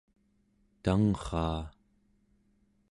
tangrraa